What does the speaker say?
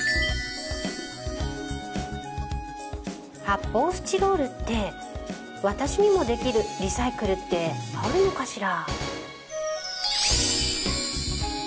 発泡スチロールって私にもできるリサイクルってあるのかしら？